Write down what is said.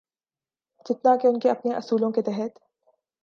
جتنا کہ ان کے اپنے اصولوں کے تحت۔